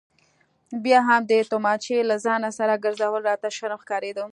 بیا هم د تومانچې له ځانه سره ګرځول راته شرم ښکارېده.